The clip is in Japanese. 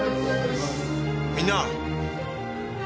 みんな。